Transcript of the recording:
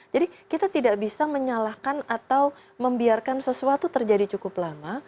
jadi kita tidak bisa menyalahkan atau membiarkan sesuatu terjadi cukup lama